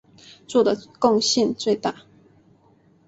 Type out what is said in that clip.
做的贡献最大。